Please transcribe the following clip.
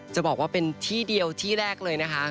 จะบอกว่าเป็นที่เดียวที่แรกเลยนะคะ